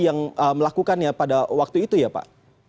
yang melakukannya pada waktu itu ya pak